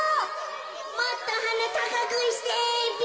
「もっとはなたかくしてべ！」。